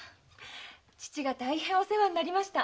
父が大変お世話になりました。